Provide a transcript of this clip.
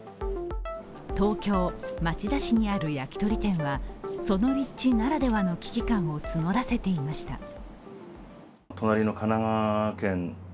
東京・町田市にある焼き鳥店はその立地ならではの危機感を募らせていました。